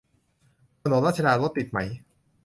ถนนรัชดารถติดไหม